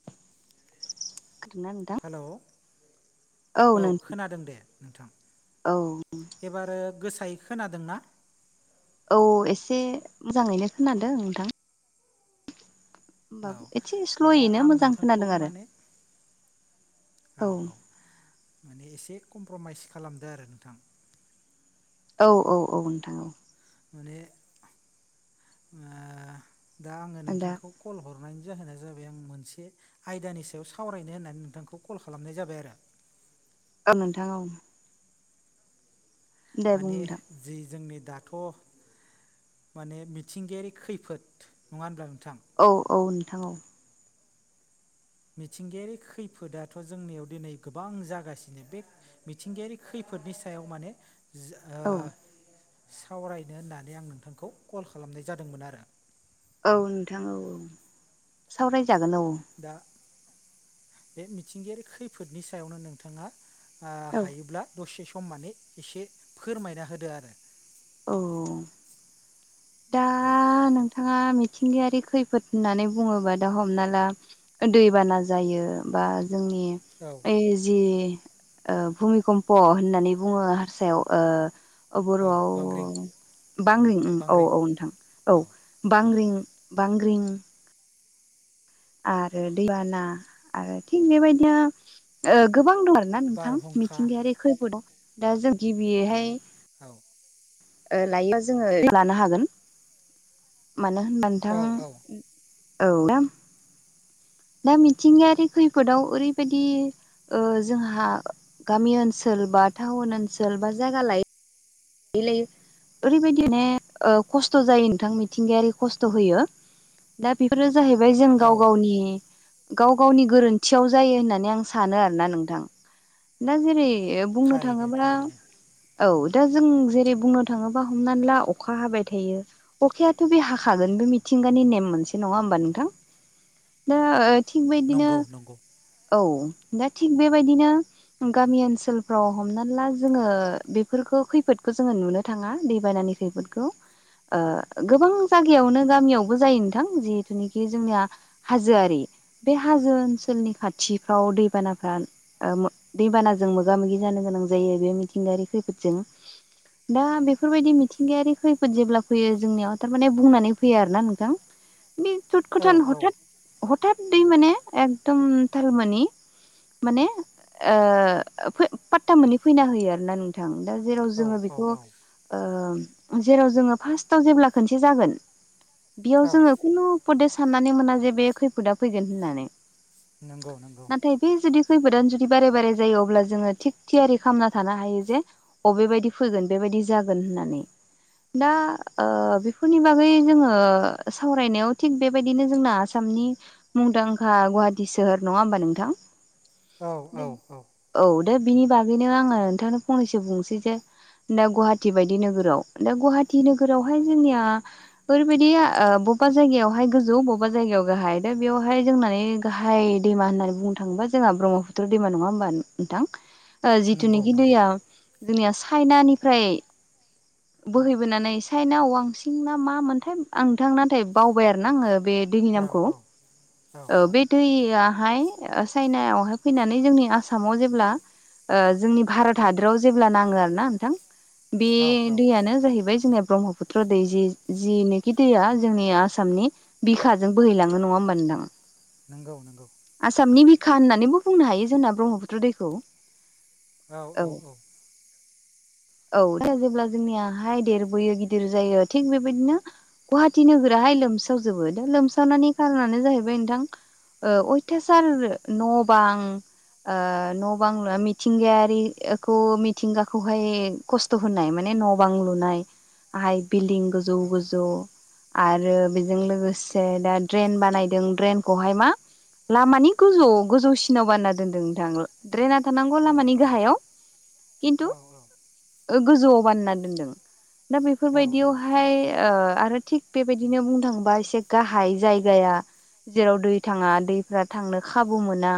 [unintelligible] Hello औ खोनादों दे नोंथां। औ एबारो गोसायै खोनादोंना? औ एसे मोजाङैनो खोनादों नोंथां। होमबाबो औ एसे दा स्ल'यैनो आं मोजां नोंथांखौ खोनादों आरो माने औ औ माने एसे कमप्रमाइस खालामदो आरो नोंथां। औ औ औ नोंथां औ। माने ओ दा आङो दा नोंथांखौ कल हरनायनि जाहोना जाबाय आं मोनसे आयदानि सायाव सावरायनो होननानै नोंथांखौ कल खालामनाय जाबाय आरो। औ नोंथां औ। दे बुं माने नोंथां जि जोंनि दाथ' माने मिथिंगायारि खैफोद नङा होनब्ला नोंथां? औ औ नोंथां औ। मिथिंगायारि खैफोदाथ' जोंनियाव दिनै गोबां जागासिनो बे मिथिंगायारि खैफोदनि सायाव माने जा औ ओ सावरायनो होननानै आं नोंथांखौ कल खालामनाय जादोंमोन आरो। औ नोंथां औ औ सावरायजागोन औ। दा बे मिथिंगायारि खैफोदनि सायावनो नोंथाङा आ औ हायोब्ला दसे सम मान एसे फोरमायना होदो आरो। औ। दा औ नोंथाङा मिथिंगायारि खैफोद होननानै बुङोबा दा हमना ला दैबाना जायो बा जोंनि औ ओइ जि ओ भुुमि कम्प होननानै बुङो हारसायाव ओ औ बर'आव ओ बांग्रिं औ बांग्रिं औ नोंथां औ औ बांग्रिं बांग्रिं आरो दैबाना आरो थिग बेबायदिनो ओ गोबां दं आरो रो ना नोंथां? बारहुंखा मिथिंगायारि खैफोदाव दा जों गिबियै हाय औ। ओ लायोबा जोङो लानो हागोन मानो होनबा औ औ नोंथां। औ [unintelligible] दा मिथिंगायारि खैफोदाव ओरैबायदि ओ जोंहा गामि ओनसोल बा टाउन ओनसोल बा जायगा लाय [unintelligible] ओरैबायदि ने खस्थ' ओ जायो नोंथां मिथिंगायारि खस्थ' होयो ‌। दा बेफोरो जाहैबाय जों औ गाव गावनि गाव गावनि गोरोन्थियाव जायो होननानै आं सानो आरोना नोंथां। दा जेरै बुंनो थारैनो थाङोबा थारैनो औ दा जों जेरै बुंनो थाङोब्ला हमनानै ला अखा हाबाय थायो। अखायाथ' बे हाखागोन बे मिथिंगानि नेम मोनसे नङा होमबा नोंथां? दा ओ थिग बायदिनो नंगौ नंगौ औ दा थिग बेबायदिनो गामि ओनसोलफ्राव हमनानै ला जोङो बेफोरखौ खैफ फोदखौ जोङो नुनो थाङा दैबानानि खैफोदखौ। ओ गोबां जागायावनो गामियावबो जायो नोंथां जिहेथुनिखि जोंनिया हाजोआरि बे हाजो ओनसोलनि खाथिफ्राव दैबानाफ्रा ओ मो दै बानाजों मोगा मोगि जानो गोनां जायो बे मिथिंगायारि खैफोदजों दा बेफोरबायदि मिथिंगायारि खैफोद जेब्ला फैयो जोंनियाव थारमाने बुंनानै फैयो आरो ना नोंथां। [inaudible] बे औ थुदखथान औ हथात हथात दै माने एकदम थालमोनि माने ओ फो फात्ता मोननै फैना होयो आरो ना नोंथां। दा जेराव औ जोङो औ बेखौ ओ जेराव जोङो फार्स्टआव जेब्ला खोनसे जागोन औ बेयाव औ जोङो खुनुपदे साननानै मोना जे बे खैफोदा फैगोन होननानै। नंगौ नंगौ। नाथाय बे जुदि खैफोदानो जुदि बारे बारे जायो अब्ला जोङो थिग थियारि खालामामना थानो हायो जे अबेबायदि फैगोन बेबायदि जागोन होननानै दा ओ बेफोरनि बागै जोङो सावरायनायाव थिग बेबायदिनो जोंना आसामनि मुंदांखा गुवाहाटि सोहोर नङा होमबा नोंथां? औ दा औ औ। औ दा बिनि बागैनो आङो नोंथांनो फंनैसो बुंसै जे दा गुवाहाटि बायदि नोगोराव दा गुवाहाटि नोगोरावहाय जोंनिया फोरबायदिया ओ बबेबा जायगायावहाय गोजौ बबेबा जायगायाव गाहाय दा बेयावहाय जोंनानै गाहाय दैमा होननानै बुंनो थाङोबा जोंहा ब्रह्मपुत्र दैमा नङा होमबा नोंथां? नंगौ जिथुनिखि नंगौ दैया जोंनिया चाइनानिफ्राय बोहैबोनानै चाइनाव वांसिं ना मा मोनथाय आं नोंथां नाथाय बावबाय आरो ना आङो बे दैनि औ नामखौ औ औ ओ बे दैआहाय चाइनायावहाय फैनानै जोंनि आसामाव जेब्ला ओ जोंनि भारत हादराव जेब्ला नाङो आरो ना नोंथां बे औ औ नो जाहैबाय जोंनिया ब्रह्मपुत्र दै जि जिनोखि दैया जोंनि आसामनि बिखाजों बोहैलाङो नङा होमबा नोंथां? नोंगौ नंगौ। आसामनि बिखा होननानैबो बुंनो हायो जोंना ब्रह्मपुत्र दैखौ। औ औ औ। औ दा जेब्ला जोंनियाहाय देरबोयो गिदिर जायो थिग बेबायदिनो गुवाहाटि नोगोराहाय लोमसावजोबो दा लोमसावनायनि खारनानो जाहैबाय नोंथां ओ अयथासार न' बां ओ न' बां मिथिंगायारिखौ मिथिंगाखौहाय खस्थ' होनायमोन मा ने न' बां लुनाय आहाय बिल्दिं गोजौ औ गोजौ आरो बेजों औ लोगोसे दा ड्रेन बानायदों ड्रेनखौहाय मा लामानि गोजौ गोजौसिनाव बानायना दोनदों नोंथां ड्रेना थानांगौ लामानि औ गाहायाव किन्थु ओ गोजौआव बानायना दोनदों दा बेफोरबायदियावहाय ओ आरो थिग बेबायदिनो बुंनो थांबा एसे गाहाय जायगाया। जेराव दै थाङा दैफ्रा थांनो खाबु मोना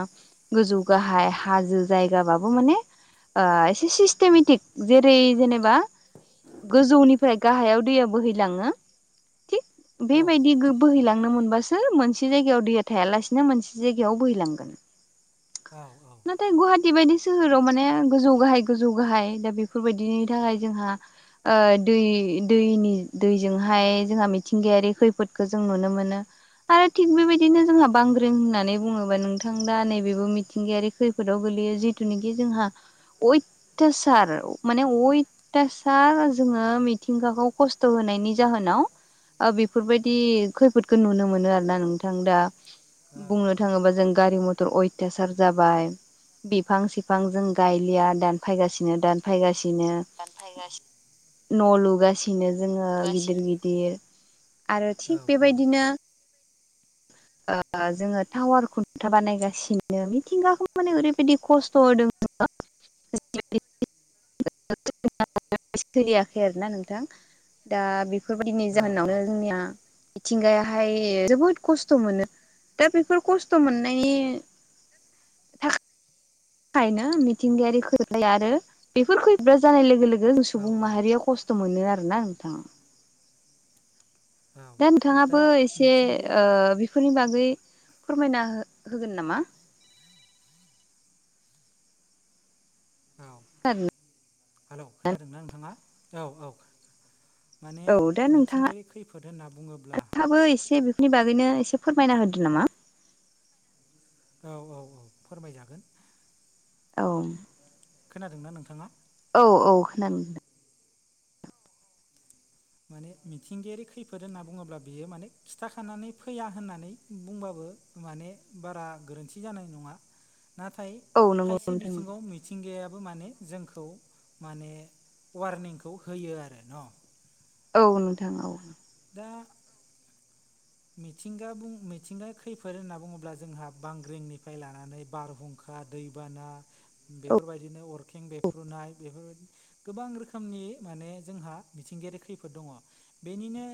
गोजौ गाहाय हाजो जायगाबाबो माने ओ एसे सिस्टेमेटिक जेरै जेनेबा गोजौनिफ्राय गाहायाव दैया बोहैलाङो थिग बेबायदि गो बोहैलांनो मोनबासो मोनसे जायगायाव दैया थायालासिनो मोनसे जायगायाव बोहैलांगोन। औ नाथाय गुवाहाटि बायदि सोहोराव माने गोजौ गाहाय गोजौ गाहाय दा बेफोरबायायदिनि थाखाय जोंहा ओ दै दैनि दैजोंहाय जोंहा मिथिंगायारि खैफोदखौ जों नुनो मोनो। आरो थिग बेबायदिनो जोंहा बांग्रिं होननानै बुङोबा नोंथां दा नैबेबो मिथिंगायारि खै फोदाव गोगलैयो जिथुनाखि जोंहा अयथासार माने अय थासार जोङो मिथिंगाखौ खस्थ' होनायनि जाहोनाव ओ बेफोरबायदि खैफोदखौ नुनो मोनो आरो ना नोंथां दा औ बुंनो औ थाङोबा जों गारि मथर अयथासार जाबाय बिफां सिफां जों गायलिया दानफायगासिनो दानफायगासिनो फायगासिनो न' लुगासिनो जोङो गिदिर दानफायगासिनो गिदिर आरो औ थिग बेबायदिनो ओ जोङो टावार खुन्था बानायगासिनो मिथिंगाखौ माने ओरैबायाददि खस्थ' होदों जोङो [inaudible] [inaudible] सोलियाखै आरोना नोंथां दा बि बेफोरबायदिनि जाहोनावनो जोंनिया मिथिंगायाहाय जोबोद खस्थ' खस्थ' मोनो दा बेफोर खस्थ' मोननायनि नो मिथिंगायारि खै आरो बेफोर खैदा जानाय लोगो लोगो जों औ सुबुं माहारिया खस्थ' खस्थ' मोनो आर ना नोंथाङा औ दा नोंथाङाबो दा एसे ओ मिथिंगायारि बेफोरनि बागै फोरमायना होगोन नामा औ [unintelligible] हेलौ खोनादोंना नोंथाङा औ औ माने औ मिथिंगायारि खैफोद होनना बुङोब्ला फोराबो एसे नि बागैनो एसे फोरमायना होदो नामा। औ औ औ फोरमायजागोन। औ। खोनादोंना नोंथाङा। औ औ खोनादों। माने मिथिंगायारि खैफोद होनना बुङोब्ला बियो माने खिथाखानानै फैया होननानै बुंबाबो माने बारा गोरोन्थि जानाय नङा नाथाय औ नंगौ खायसे नोंथां नंगौ बिथिङाव मिथिंगायाबो माने जोंखौ माने वारनिंखौ होयो आरो न' औ नोंथां औ दा मिथिंगा मिथिंगाया खैफोद होनना बुङोब्ला जोंहा बांग्रिंनिफ्राय लानानै बारहुं अखा दैबाना औ बेफोरबायदिनो अरखें बेफ्र्रुनाय बेफोरबायदि गोबां रोखोमनि माने जोंहा मिथिंगायारि खैफोद दङ बेनिनो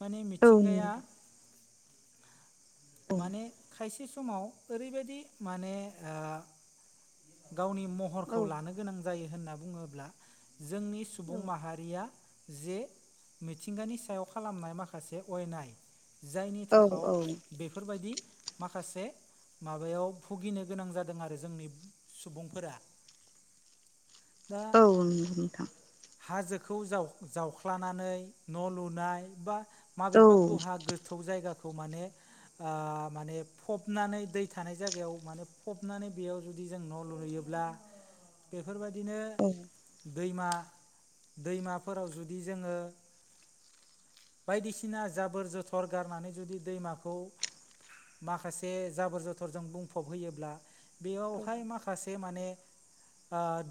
माने औ नंगौ मिथिंगाया नोंथां माने खायसे समाव ओरैबायदि माने गावनि औ महरखौ लानो गोनां जायो होनना बुङोब्ला जोंनि औ सुबुं माहारिया जे मिथिंगानि सायाव खालामनाय माखासे अयनाय जायनि थाखआव औ बेफोरबायदि माखासे माबायाव भुगिनो गोनां जादों आरो जोंनि सुबुंफोरा दा औ नंगौ नोंथां। हाजोखौ जावख्लानानै न' लुनाय बा औ माबेबा दहा गोस गोथौ जायगाखौ माने माने फबनानै दै थानाय जायगायाव माने फबनानै बेयाव जुदि जदि जों न' लु लुयोब्ला बेफोरबायदिनो दैमा दैमाफोराव जुदि जोङो बायदिसिना जाबोर जोथर गारनानै जुदि दैमाखौ माखासे जाबोर जथरजों बुंफब होयोब्ला बेयाव फ माखासे माने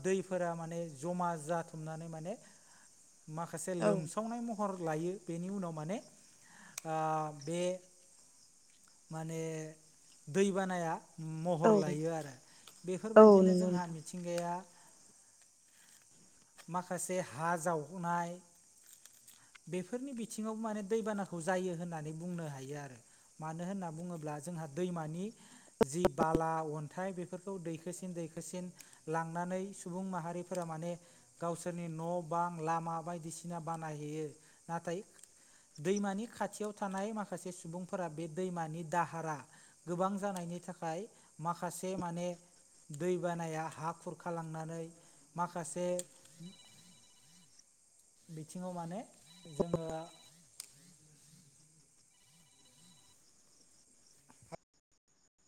दैफोरा माने जमा जाथुमनानै माने माखासे औ लोमसावनाय महर लायो बेनि उनाव माने बे माने दै बानाया महर औ लायो आरो औ बेफोरबायदिनो नंगौ नोंथां। जोंहा मिथिंगाया माखासे हा जावगनाय बेफोरनि बिथिङाव माने दैबानाखौ जायो होननानै बुंनो हायो आरो। मानो होनना बुङोब्ला जोंहा दैमानि जि बाला अन्थाइ बे फोरखौ दैखोसिन दैखोसिन लांनानै सुबुं माहारिफोरा माने गावसोरनि न' बां लामा बायदिसिना बानायहैयो नाथाय दैमानि खाथियाव थानाय माखासे सुबुंफोरा बे दैमानि दाहारा गोबां जानायनि थाखाय माखासे माने दै बानाया हा खुरखालांनानै माखासे बिथिङाव माने जोङो